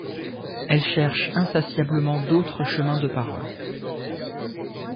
Elle cherche insatiablement d'autres chemins de paroles.